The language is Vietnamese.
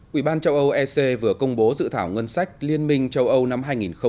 quỹ ban châu âu ec vừa công bố dự thảo ngân sách liên minh châu âu năm hai nghìn hai mươi